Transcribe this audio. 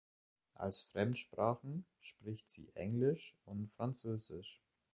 Als Fremdsprachen spricht sie Englisch und Französisch.